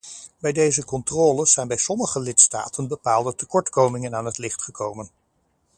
Bij deze controles zijn bij sommige lidstaten bepaalde tekortkomingen aan het licht gekomen.